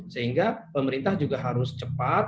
sehingga pemerintah juga harus cepat